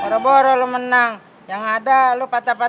tahun ini gue bakal ikutan